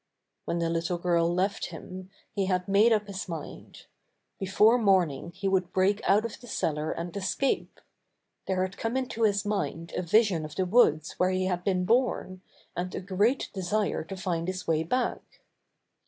When the little girl left him, he had made up his mind. Before morning he would break out of the cellar and escape. There had come into his mind a vision of the woods where he had been born, and a great desire to find his way back.